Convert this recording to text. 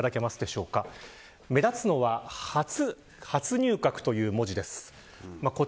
目立つのは初入閣という文字です。